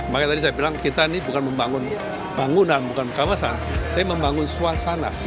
makanya tadi saya bilang kita ini bukan membangun bangunan bukan kawasan tapi membangun suasana